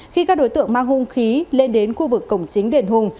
khi các đối tượng mang hung khí lên đến khu vực cổng chính đền hùng